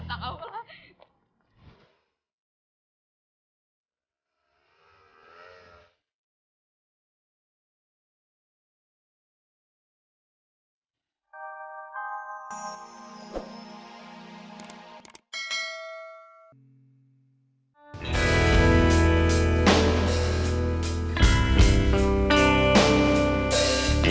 aku mau pergi